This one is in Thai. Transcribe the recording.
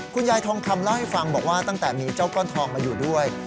ทองคำเล่าให้ฟังบอกว่าตั้งแต่มีเจ้าก้อนทองมาอยู่ด้วย